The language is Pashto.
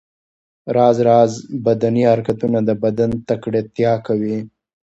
راز راز بدني حرکتونه د بدن تکړتیا زیاتوي.